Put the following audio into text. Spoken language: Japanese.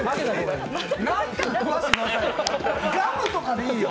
何か食わしてくださいよ。